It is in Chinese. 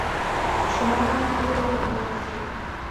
持澳大利亚国籍。